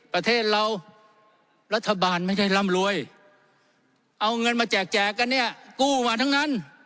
ประเทศเรารัฐบาลไม่ใช่ร่ำรวยเอาเงินมาแจกแจกกันเนี่ยกู้มาทั้งนั้น